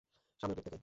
সামনের গেট থেকে।